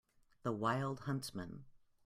The wild huntsman.